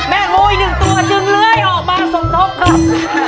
งูอีกหนึ่งตัวจึงเลื้อยออกมาสมทบครับ